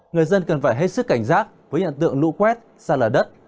người dân cần phải hết sức cảnh giác với hiện tượng lũ quét xa lở đất